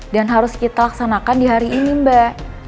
harus kita laksanakan di hari ini mbak